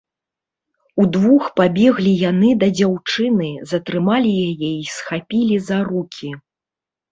Удвух пабеглі яны да дзяўчыны, затрымалі яе і схапілі за рукі.